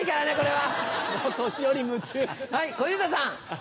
はい小遊三さん。